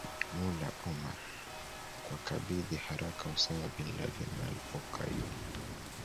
Mullah Omar kuwakabidhi haraka Osama Bin Laden na alipokaidi